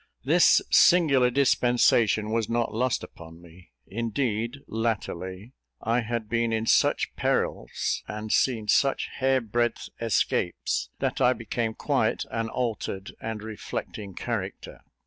This singular dispensation was not lost upon me; indeed, latterly, I had been in such perils, and seen such hair breadth escapes, that I became quite an altered and reflecting character.